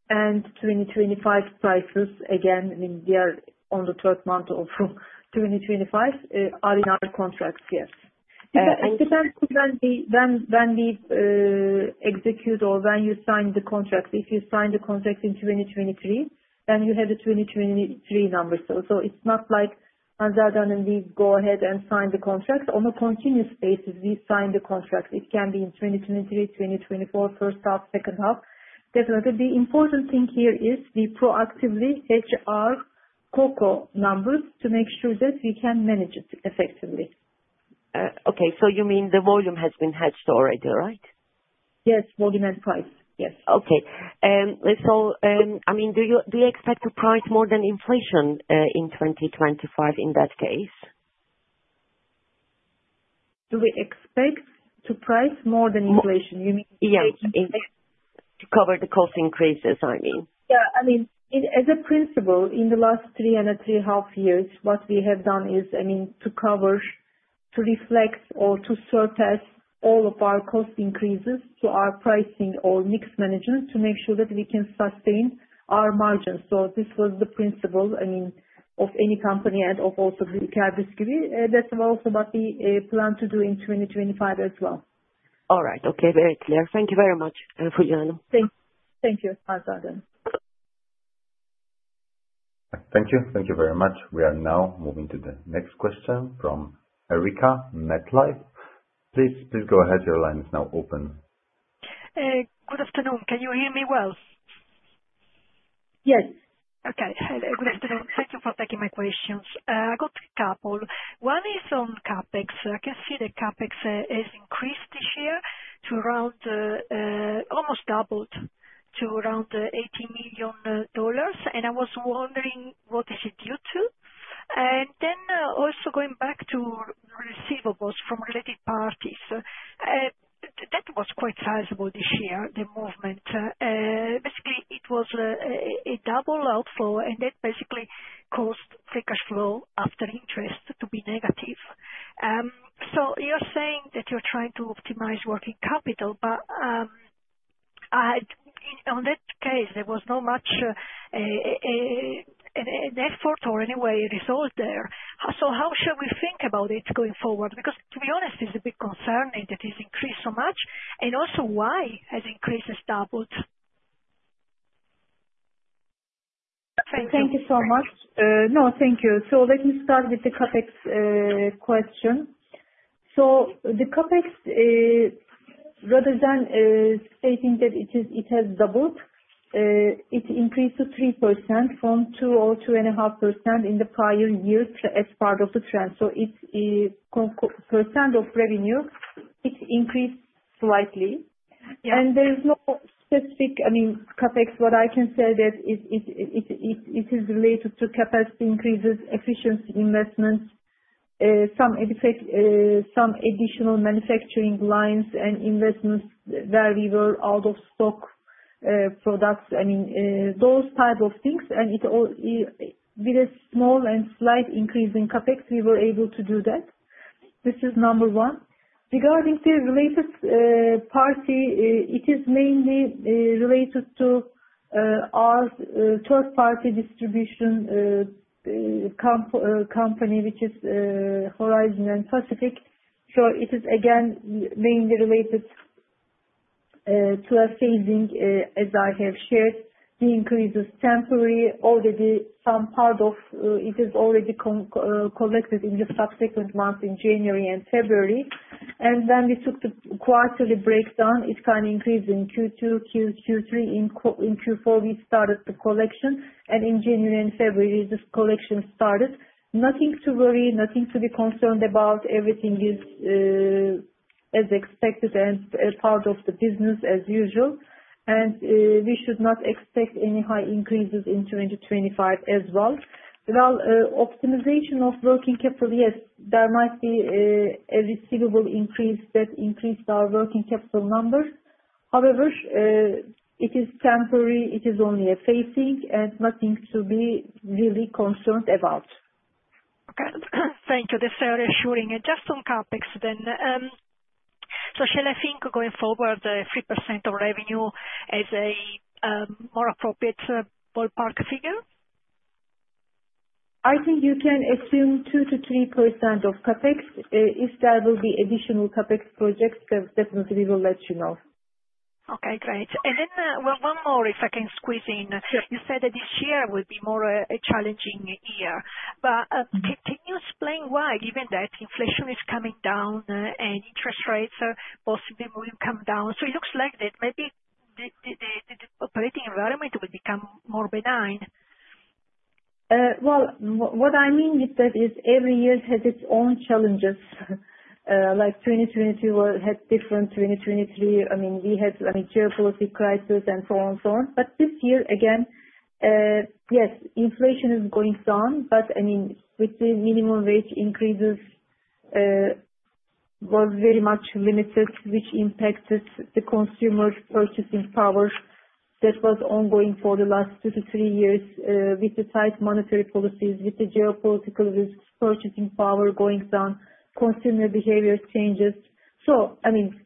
and 2025 prices, again, I mean, they are on the third month of 2025, are in our contracts, yes. When we execute or when you sign the contract, if you sign the contract in 2023, then you have the 2023 number. It is not like we go ahead and sign the contract. On a continuous basis, we sign the contract. It can be in 2023, 2024, first half, second half. Definitely. The important thing here is we proactively hedge our Cocoa numbers to make sure that we can manage it effectively. Okay. So you mean the volume has been hedged already, right? Yes. Volume and price. Yes. Okay. I mean, do you expect to price more than inflation in 2025 in that case? Do we expect to price more than inflation? You mean. Yes. To cover the cost increases, I mean. Yeah. I mean, as a principle, in the last three and a half years, what we have done is, I mean, to cover, to reflect, or to surface all of our cost increases to our pricing or mix management to make sure that we can sustain our margins. This was the principle, I mean, of any company and also of Ülker Bisküvi. That is also what we plan to do in 2025 as well. All right. Okay. Very clear. Thank you very much, Juliana. Thank you. Thank you, Hans. Thank you. Thank you very much. We are now moving to the next question from Erica, MetLife. Please go ahead. Your line is now open. Good afternoon. Can you hear me well? Yes. Okay. Good afternoon. Thank you for taking my questions. I got a couple. One is on CapEx. I can see that CapEx has increased this year to almost doubled to around $80 million. I was wondering what is it due to. Also, going back to receivables from related parties, that was quite sizable this year, the movement. Basically, it was a double outflow, and that basically caused free cash flow after interest to be negative. You are saying that you are trying to optimize working capital, but on that case, there was not much an effort or anyway a result there. How shall we think about it going forward? Because to be honest, it's a bit concerning that it's increased so much. Also, why has increase doubled? Thank you. Thank you so much. No, thank you. Let me start with the CapEx question. The CapEx, rather than stating that it has doubled, it increased to 3% from 2% or 2.5% in the prior year as part of the trend. As a percent of revenue, it increased slightly. There is no specific, I mean, CapEx. What I can say is it is related to capacity increases, efficiency investments, some additional manufacturing lines, and investments where we were out of stock products. I mean, those type of things. With a small and slight increase in CapEx, we were able to do that. This is number one. Regarding the related party, it is mainly related to our third-party distribution company, which is Horizon and Pacific. It is again mainly related to a phasing, as I have shared. The increase is temporary. Already some part of it is already collected in the subsequent months in January and February. When we took the quarterly breakdown, it kind of increased in Q2, Q3. In Q4, we started the collection. In January and February, this collection started. Nothing to worry, nothing to be concerned about. Everything is as expected and part of the business as usual. We should not expect any high increases in 2025 as well. Optimization of working capital, yes. There might be a receivable increase that increased our working capital number. However, it is temporary. It is only a phasing, and nothing to be really concerned about. Okay. Thank you. That's very reassuring. Just on CapEx then, shall I think going forward 3% of revenue as a more appropriate ballpark figure? I think you can assume 2-3% of CapEx. If there will be additional CapEx projects, definitely we will let you know. Okay. Great. One more, if I can squeeze in. You said that this year would be more a challenging year. Can you explain why, given that inflation is coming down and interest rates possibly will come down? It looks like that maybe the operating environment will become more benign. What I mean with that is every year has its own challenges. Like 2022 had different 2023. I mean, we had, I mean, geopolitic crisis and so on and so on. This year, again, yes, inflation is going down. I mean, with the minimum wage increases, it was very much limited, which impacted the consumer purchasing power that was ongoing for the last two to three years with the tight monetary policies, with the geopolitical risk, purchasing power going down, consumer behavior changes. I mean,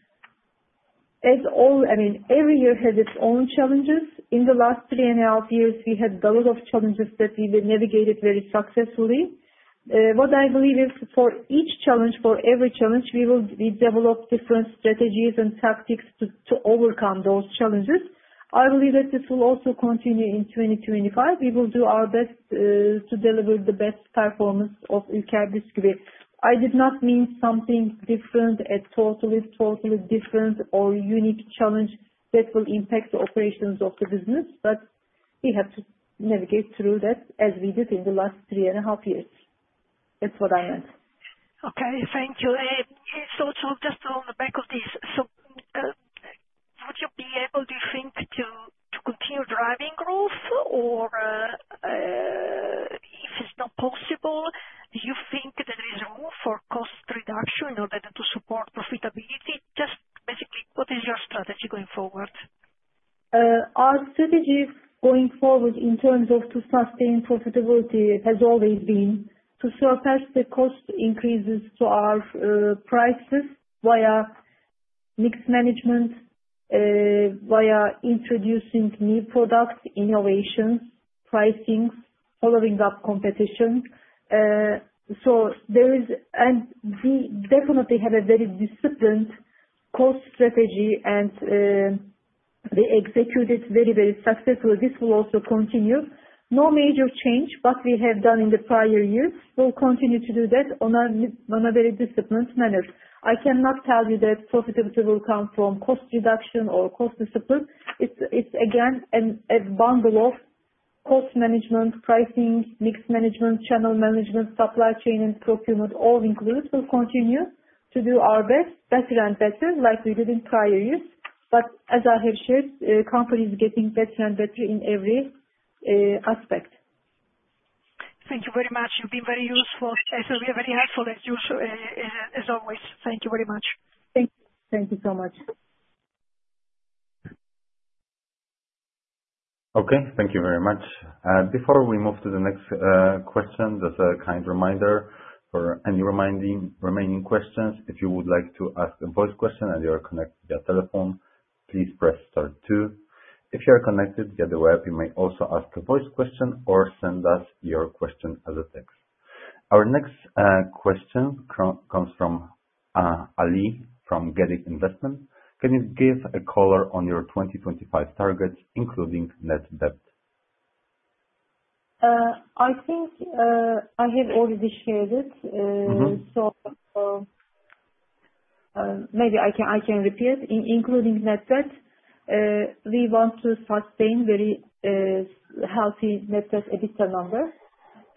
every year has its own challenges. In the last three and a half years, we had a lot of challenges that we navigated very successfully. What I believe is for each challenge, for every challenge, we will develop different strategies and tactics to overcome those challenges. I believe that this will also continue in 2025. We will do our best to deliver the best performance of Ülker Bisküvi. I did not mean something different, a totally, totally different or unique challenge that will impact the operations of the business, but we have to navigate through that as we did in the last three and a half years. That is what I meant. Okay. Thank you. Just on the back of this, would you be able, do you think, to continue driving growth? If it is not possible, do you think that there is room for cost reduction in order to support profitability? Just basically, what is your strategy going forward? Our strategy going forward in terms of to sustain profitability has always been to surface the cost increases to our prices via mixed management, via introducing new products, innovations, pricings, following up competition. There is, and we definitely have a very disciplined cost strategy, and we executed very, very successfully. This will also continue. No major change, what we have done in the prior years. We'll continue to do that in a very disciplined manner. I cannot tell you that profitability will come from cost reduction or cost discipline. It's again a bundle of cost management, pricing, mix management, channel management, supply chain, and procurement all included. We'll continue to do our best, better and better, like we did in prior years. As I have shared, the company is getting better and better in every aspect. Thank you very much. You've been very useful. We are very helpful as always. Thank you very much. Thank you. Thank you so much. Okay. Thank you very much. Before we move to the next question, just a kind reminder for any remaining questions. If you would like to ask a voice question and you are connected via telephone, please press star two. If you are connected via the web, you may also ask a voice question or send us your question as a text. Our next question comes from Ali from Gedik Investment. Can you give a color on your 2025 targets, including net debt? I think I have already shared it. Maybe I can repeat. Including net debt, we want to sustain very healthy net debt editor number.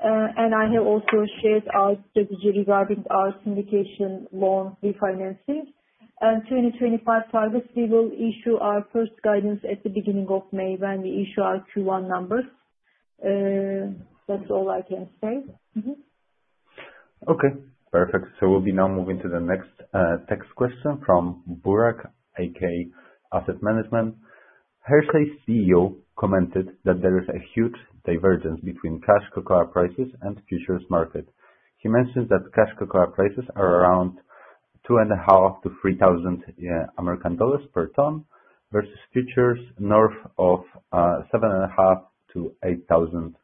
I have also shared our strategy regarding our syndication loan refinancing. For 2025 targets, we will issue our first guidance at the beginning of May when we issue our Q1 numbers. That is all I can say. Okay. Perfect. We will now be moving to the next text question from Burak, AK Asset Management. Hershey's CEO commented that there is a huge divergence between cash Cocoa prices and futures market. He mentioned that cash Cocoa prices are around $2,500 to 3,000 per ton versus futures north of $7,500 to 8,000.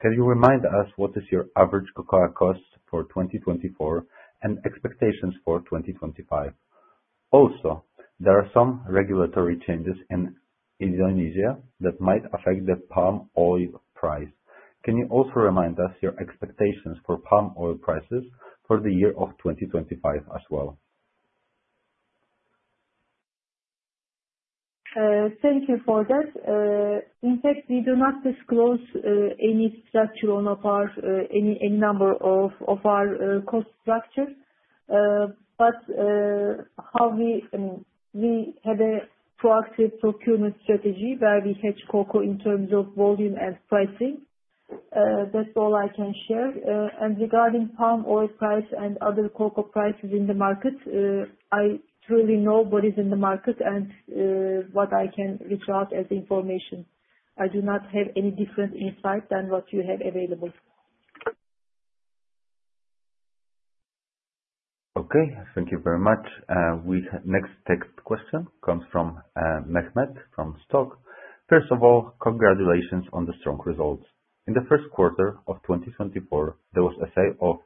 Can you remind us what is your average Cocoa cost for 2024 and expectations for 2025? Also, there are some regulatory changes in Indonesia that might affect the palm oil price. Can you also remind us your expectations for palm oil prices for the year of 2025 as well? Thank you for that. In fact, we do not disclose any structure on any number of our cost structure. However, we have a proactive procurement strategy where we hedge Cocoa in terms of volume and pricing. That is all I can share. Regarding palm oil price and other Cocoa prices in the market, I truly know what is in the market and what I can reach out as information. I do not have any different insight than what you have available. Okay. Thank you very much. Next text question comes from Mehmet from Stock. First of all, congratulations on the strong results. In the Q1 of 2024, there was a sale of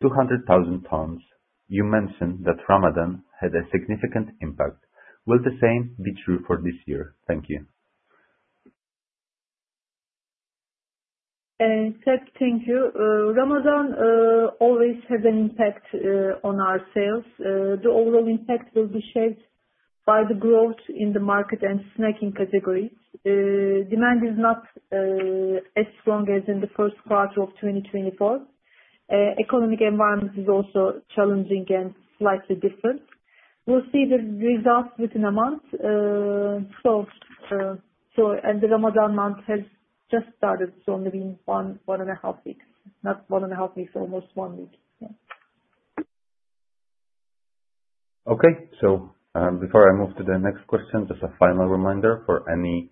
200,000 tons. You mentioned that Ramadan had a significant impact. Will the same be true for this year? Thank you. Thank you. Ramadan always has an impact on our sales. The overall impact will be shaped by the growth in the market and snacking categories. Demand is not as strong as in the Q1 of 2024. Economic environment is also challenging and slightly different. We'll see the results within a month. The Ramadan month has just started, so maybe one and a half weeks. Not one and a half weeks, almost one week. Okay. Before I move to the next question, just a final reminder. For any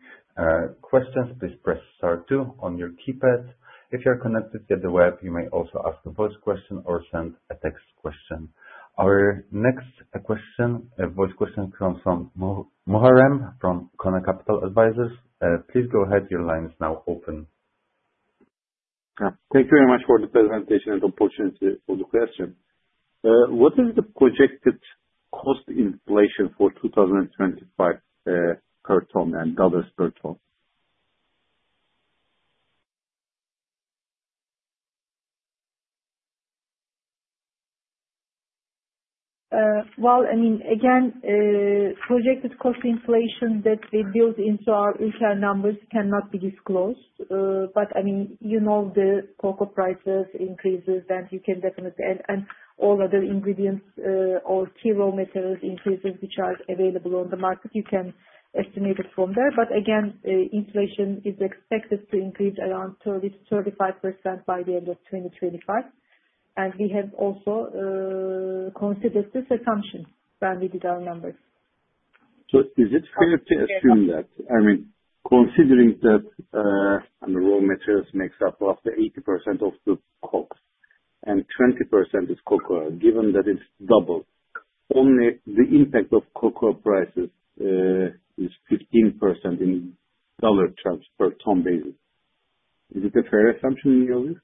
questions, please press star two on your keypad. If you are connected via the web, you may also ask a voice question or send a text question. Our next voice question comes from Muharrem from Kona Capital Advisors. Please go ahead. Your line is now open. Thank you very much for the presentation and opportunity for the question. What is the projected cost inflation for 2025 per ton and dollars per ton? I mean, again, projected cost inflation that we build into our UK numbers cannot be disclosed. I mean, you know the Cocoa prices increases, and you can definitely and all other ingredients or kilo metals increases which are available on the market, you can estimate it from there. Again, inflation is expected to increase around 30%-35% by the end of 2025. We have also considered this assumption when we did our numbers. Is it fair to assume that, I mean, considering that raw materials make up after 80% of the Cocoa and 20% is Cocoa, given that it's double, only the impact of Cocoa prices is 15% in dollar terms per ton basis? Is it a fair assumption in your view?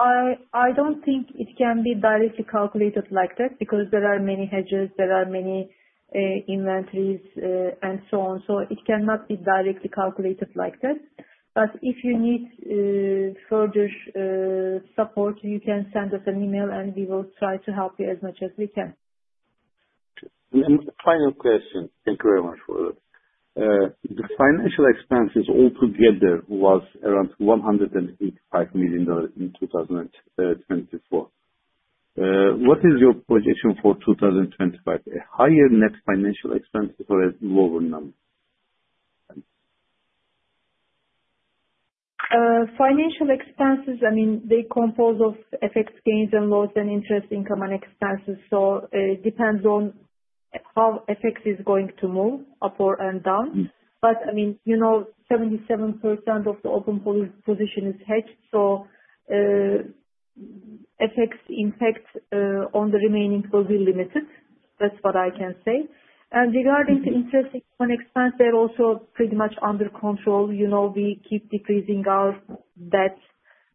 I don't think it can be directly calculated like that because there are many hedges, there are many inventories, and so on. It cannot be directly calculated like that. If you need further support, you can send us an email, and we will try to help you as much as we can. Final question. Thank you very much for that. The financial expenses altogether was around $185 million in 2024. What is your projection for 2025? A higher net financial expense or a lower number? Financial expenses, I mean, they compose of FX gains and loss and interest income and expenses. It depends on how FX is going to move, up or down. I mean, 77% of the open position is hedged. FX impact on the remaining will be limited. That's what I can say. Regarding the interest income expense, they're also pretty much under control. We keep decreasing our debt.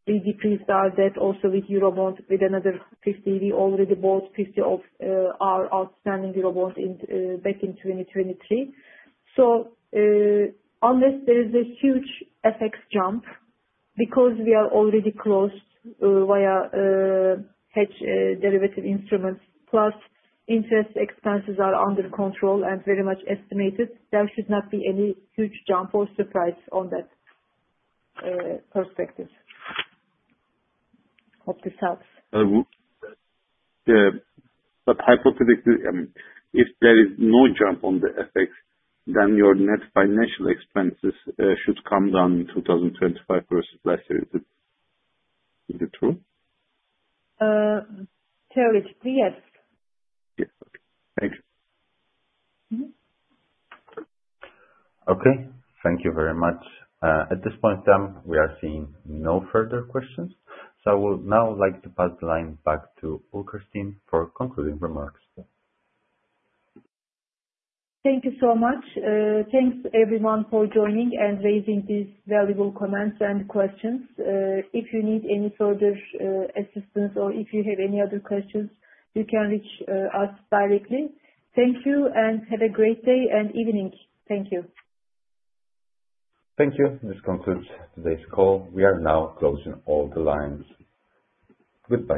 We decreased our debt also with Eurobond. With another 50, we already bought 50 of our outstanding Eurobond back in 2023. Unless there is a huge FX jump because we are already closed via hedge derivative instruments, plus interest expenses are under control and very much estimated, there should not be any huge jump or surprise on that perspective. Hope this helps. I mean, if there is no jump on the FX, then your net financial expenses should come down in 2025 versus last year. Is it true? Theoretically, yes. Yes. Okay. Thank you. Thank you very much. At this point, we are seeing no further questions. I would now like to pass the line back to Ülker Bisküvi for concluding remarks. Thank you so much. Thanks, everyone, for joining and raising these valuable comments and questions. If you need any further assistance or if you have any other questions, you can reach us directly. Thank you and have a great day and evening. Thank you. Thank you. This concludes today's call. We are now closing all the lines. Goodbye.